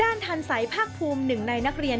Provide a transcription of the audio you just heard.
ด้านทันใสภาคภูมิหนึ่งในนักเรียน